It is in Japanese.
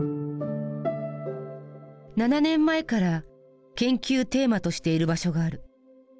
７年前から研究テーマとしている場所がある。